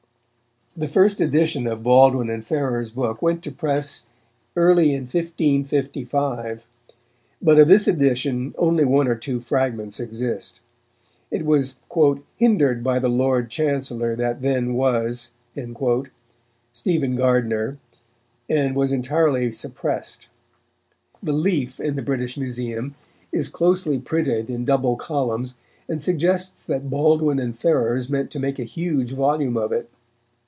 The first edition of Baldwin and Ferrers' book went to press early in 1555, but of this edition only one or two fragments exist. It was "hindered by the Lord Chancellor that then was," Stephen Gardiner, and was entirely suppressed. The leaf in the British Museum is closely printed in double columns, and suggests that Baldwin and Ferrers meant to make a huge volume of it.